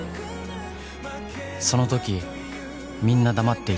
その時みんな黙っていた